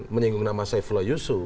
menyinggung nama saifula yusuf